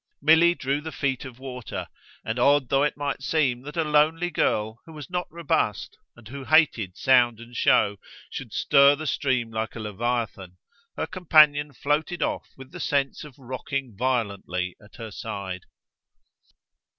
Milly drew the feet of water, and odd though it might seem that a lonely girl, who was not robust and who hated sound and show, should stir the stream like a leviathan, her companion floated off with the sense of rocking violently at her side.